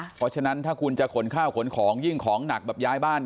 เพราะฉะนั้นถ้าคุณจะขนข้าวขนของยิ่งของหนักแบบย้ายบ้าน